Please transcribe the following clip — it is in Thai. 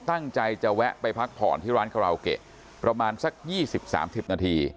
ตั้งใจจะแวะไปพักผ่อนที่ร้านคาราโอเกะประมาณสัก๒๐๓๐นาที